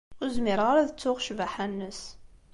Ur zmireɣ ara ad ttuɣ ccbaḥa-nnes.